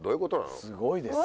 すごいですよ。